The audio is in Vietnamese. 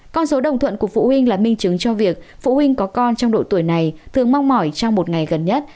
con số đồng thuận của phụ huynh là minh chứng cho việc phụ huynh có con trong độ tuổi này thường mong mỏi trong một ngày gần nhất